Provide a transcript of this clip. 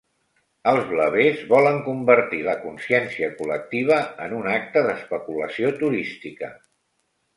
Els blavers volen convertir la consciència col·lectiva en un acte d'especulació turística.